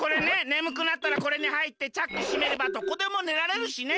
ねむくなったらこれにはいってチャックしめればどこでもねられるしね。